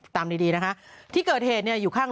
ตามดีนะคะที่เกิดเหตุเนี่ยอยู่ข้าง